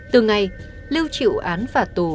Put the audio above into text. từ ngày lưu chịu án phả tù